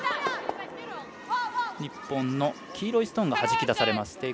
日本の黄色いストーンがはじき出されました。